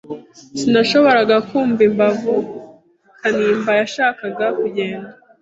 Sinashoboraga kumva impamvu Kanimba yashakaga kugenda.